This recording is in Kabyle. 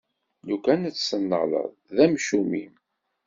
Lukan ad t-tennaleḍ, d amcum-im!